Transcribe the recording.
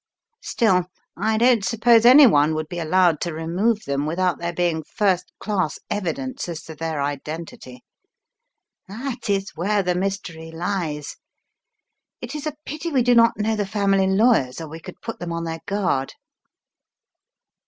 Still, I don't suppose any one would be allowed to remove them without there being first class evidence as to their identity. That is where the mys 60 The Riddle of the Purple Emperor tery lies. It is a pity we do not know the family lawyers, or we could put them on their guard."